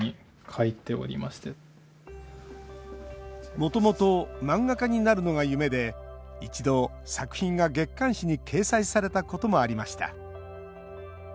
もともと漫画家になるのが夢で一度、作品が月刊誌に掲載されたこともありました。